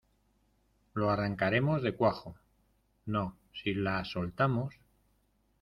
lo arrancaremos de cuajo. no, si la soltamos